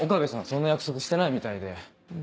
そんな約束してないみたいで。